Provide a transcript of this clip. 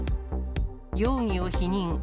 容疑を否認。